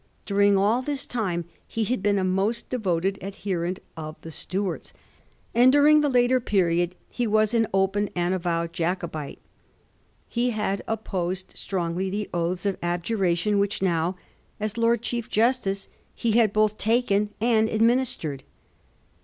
During all this time he had been a most devoted adherent of the Stuarts, and during the later period he was an open and avowed Jacobite. He had opposed strongly the oaths of abjuration which now, as Lord Chief Justice, he had both taken and administered.